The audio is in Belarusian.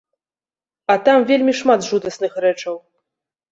А там вельмі шмат жудасных рэчаў.